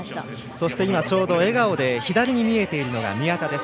そして、ちょうど笑顔で左に見えているのが宮田です。